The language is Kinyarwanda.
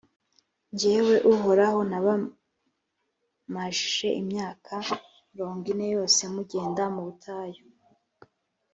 jyewe uhoraho nabamajije imyaka mirongo ine yose mugenda mu butayu: